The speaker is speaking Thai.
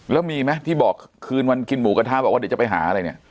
แล้วมีไหมที่บอกคืนวันกินหมูกระทะบอกว่าเดี๋ยวจะไปหาอะไรเนี่ย